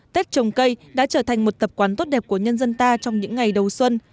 tết trồng cây đã trở thành một tập quán tốt đẹp của nhân dân ta trong những ngày đầu xuân